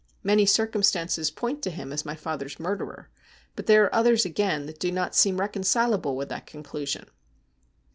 Many circum stances point to him as my father's murderer, but there are others again that do not seem reconcilable with that conclusion.'